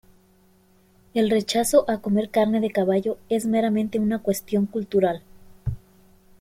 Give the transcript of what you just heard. El rechazo a comer carne de caballo es meramente una cuestión cultural.